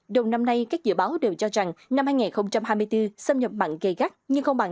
đầu năm nay các dự báo đều cho rằng năm hai nghìn hai mươi bốn xâm nhập mặn gây gắt nhưng không bàn